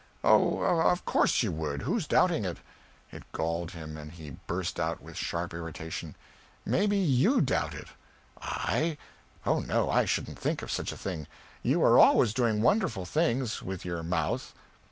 "Oh, of course you would! Who's doubting it?" It galled him, and he burst out, with sharp irritation "Maybe you doubt it!" "I? Oh no, I shouldn't think of such a thing. You are always doing wonderful things. With your mouth."